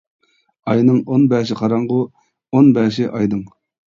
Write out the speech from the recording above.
ئاينىڭ ئون بەشى قاراڭغۇ، ئون بەشى ئايدىڭ.